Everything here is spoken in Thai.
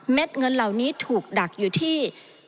เงินเหล่านี้ถูกดักอยู่ที่